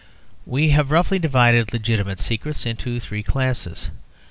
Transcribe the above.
We have roughly divided legitimate secrets into three classes.